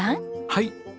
はい。